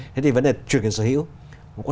thế thì vấn đề truyền quyền sở hữu